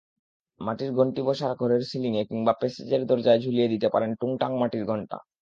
মাটির ঘণ্টিবসার ঘরের সিলিংয়ে কিংবা প্যাসেজের দরজায় ঝুলিয়ে দিতে পারেন টুংটাং মাটির ঘণ্টি।